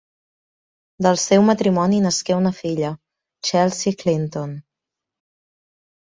Del seu matrimoni nasqué una filla, Chelsea Clinton.